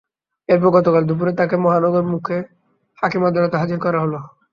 এরপর গতকাল দুপুরে তাঁকে মহানগর মুখ্য হাকিম আদালতে হাজির করা হয়।